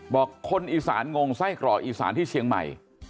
คนอีสานงงไส้กรอกอีสานที่เชียงใหม่